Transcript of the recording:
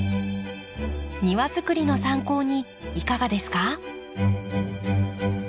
庭づくりの参考にいかがですか？